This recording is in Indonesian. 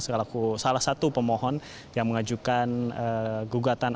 selaku salah satu pemohon yang mengajukan gugatan